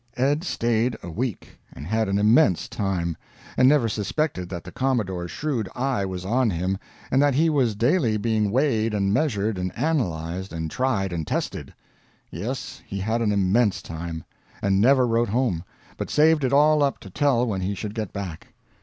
Ed stayed a week, and had an immense time and never suspected that the Commodore's shrewd eye was on him, and that he was daily being weighed and measured and analyzed and tried and tested. Yes, he had an immense time; and never wrote home, but saved it all up to tell when he should get back.